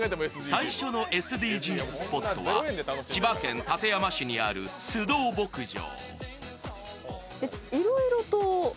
最初のＳＤＧｓスポットは千葉県館山市にある須藤牧場。